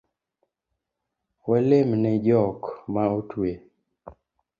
Walem ne jok maotwe